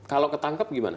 kalau ketangkep gimana